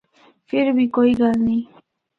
فر بھی کوئی گل نیں۔